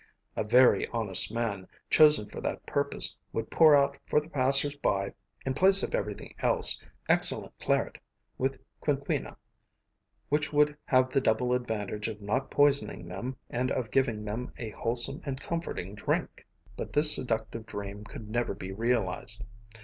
A very honest man, chosen for that purpose, would pour out for the passers by, in place of everything else, excellent claret with quinquina, which would have the double advantage of not poisoning them and of giving them a wholesome and comforting drink. But this seductive dream could never be realized.